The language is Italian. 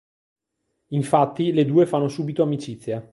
Infatti, le due fanno subito amicizia.